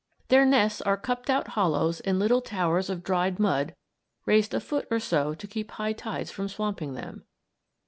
Their nests are cupped out hollows in little towers of dried mud raised a foot or so to keep high tides from swamping them.